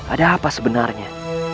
ada apa sebenarnya